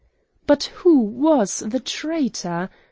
But who was the traitor?